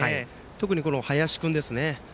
特に林君ですね。